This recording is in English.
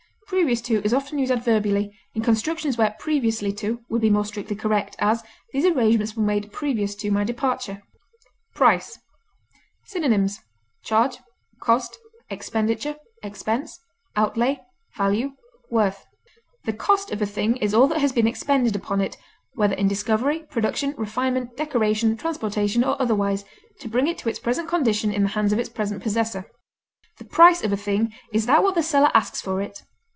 [Previous to is often used adverbially, in constructions where previously to would be more strictly correct; as, these arrangements were made previous to my departure.] PRICE. Synonyms: charge, cost, expenditure, expense, outlay, value, worth. The cost of a thing is all that has been expended upon it, whether in discovery, production, refinement, decoration, transportation, or otherwise, to bring it to its present condition in the hands of its present possessor; the price of a thing is what the seller asks for it.